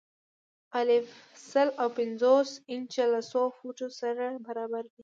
الف: سل او پنځوس انچه له څو فوټو سره برابر دي؟